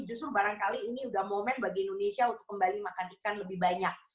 justru barangkali ini sudah momen bagi indonesia untuk kembali makan ikan lebih banyak